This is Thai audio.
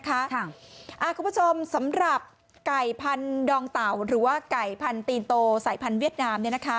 คุณผู้ชมสำหรับไก่พันดองเต่าหรือว่าไก่พันธีนโตสายพันธุเวียดนาม